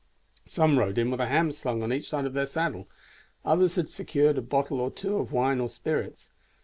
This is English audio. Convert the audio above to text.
Some rode in with a ham slung on each side of their saddle, others had secured a bottle or two of wine or spirits.